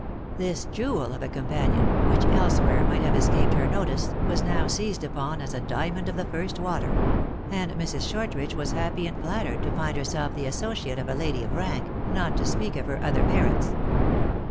This jewel of a companion, which elsewhere might have escaped her notice, was now seized upon as a diamond of the first water ; and Mrs. Shortridge was happy and flattered to find herself the associate of a lady of rank, not to speak of her other merits.